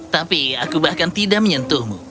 tapi aku bahkan tidak menyentuhmu